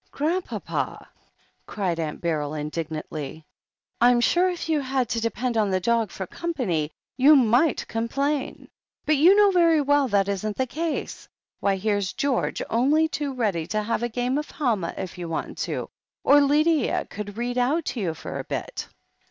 "Grandpapa!" cried Aunt Beryl indignantly, "Fm sure if you had to depend on the dog for company, you might complain. But you know very well that isn't the case. Why, here's George only too ready to have a game of Halma, if you want to. Or Lydia could read out to you for a bit."